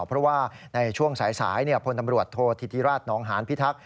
เพราะว่าในช่วงสายพลตำรวจโทษธิติราชนองหานพิทักษ